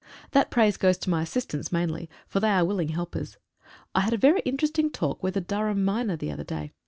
That praise goes to my assistants mainly, for they are willing helpers. I had a very interesting talk with a Durham miner the other day.